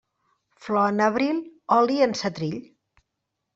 Flor en abril, oli en setrill.